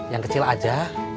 yang kecil aja